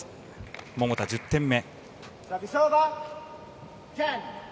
桃田、１０点目。